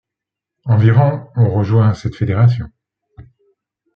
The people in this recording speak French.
Environ ont rejoint cette fédération.